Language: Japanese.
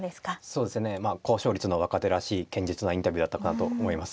そうですねまあ高勝率の若手らしい堅実なインタビューだったかなと思います。